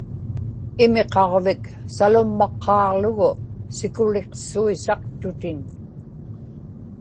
imiqaġvik salummaqqaaġlugu sikuliqsuisaqtutin